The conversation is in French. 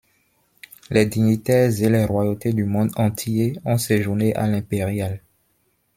Les dignitaires et les royautés du monde entier ont séjourné à l'Impérial.